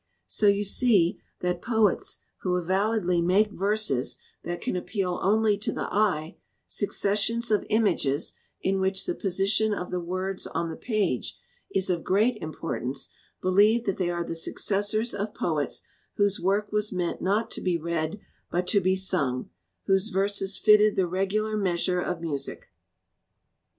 So you see that poets who avowedly make verses that can appeal only to the eye, suc cessions of images, in which the position of the words on the page is of great importance, believe that they are the successors of poets whose work was meant not to be read, but to be sung, whose verses fitted the regular measure of music.